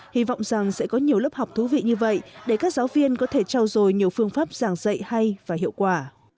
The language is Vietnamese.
hy vọng rằng sẽ có nhiều lớp học thú vị như vậy để các giáo viên có thể trao dồi nhiều phương pháp giảng dạy hay và hiệu quả